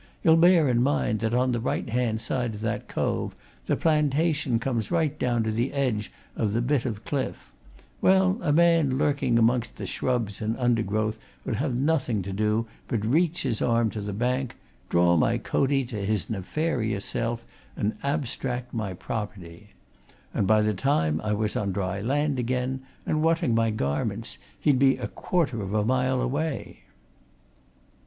You'll bear in mind that on the right hand side of that cove the plantation comes right down to the edge of the bit of cliff well, a man lurking amongst the shrubs and undergrowth 'ud have nothing to do but reach his arm to the bank, draw my coatie to his nefarious self, and abstract my property. And by the time I was on dry land again, and wanting my garments, he'd be a quarter of a mile away!"